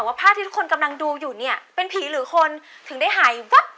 ภาพที่ทุกคนกำลังดูอยู่เนี่ยเป็นผีหรือคนถึงได้หายวับ